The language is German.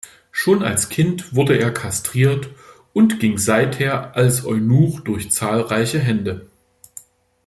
Schon als Kind wurde er kastriert und ging seither als Eunuch durch zahlreiche Hände.